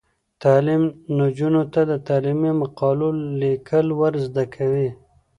تعلیم نجونو ته د علمي مقالو لیکل ور زده کوي.